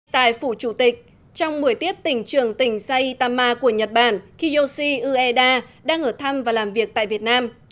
tại phủ chủ tịch trong buổi tiếp tỉnh trường tỉnh saytama của nhật bản kiyoshi ueda đang ở thăm và làm việc tại việt nam